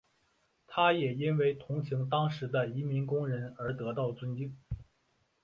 他也因为同情当时的移民工人而得到的尊敬。